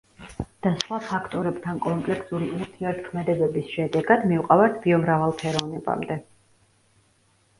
და სხვა ფაქტორებთან კომპლექსური ურთიერთქმედებების შედეგად, მივყავართ ბიომრავალფეროვნებამდე.